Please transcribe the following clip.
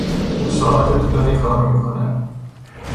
او ساعات طولانی کار میکند.